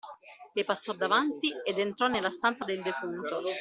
Le passò davanti ed entrò nella stanza del defunto.